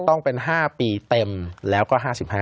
ต้องเป็น๕ปีเต็มแล้วก็๕๕